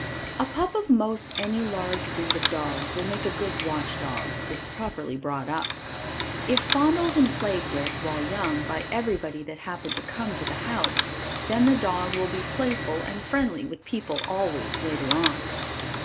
A pup of most any large breed of dogs will make a good watch dog if properly brought up. If fondled and played with while young by everybody that happened to come to the house, then the dog will be playful and friendly with people always later on.